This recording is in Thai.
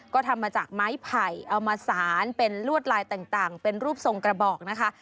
ก็ทำมาจากไม้ไผ่เอามาสารเป็นลวดลายต่างเป็นรูปทรงกระบอกนะคะ